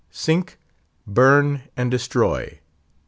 "SINK, BURN, AND DESTROY."